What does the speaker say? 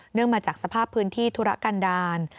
เนื่องมาจากสภาพพื้นที่ทุระกันดาล